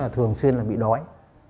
thường xuyên là bị đói